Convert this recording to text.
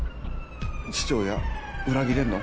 父親裏切れんの？